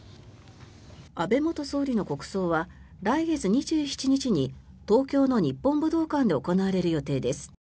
安倍元総理の国葬は来月２７日に東京の日本武道館で行われる予定です。